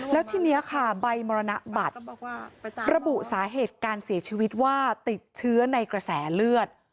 แล้วทีนี้ค่ะใบมรณบัตรระบุสาเหตุการเสียชีวิตว่าติดเชื้อในกระแสเลือด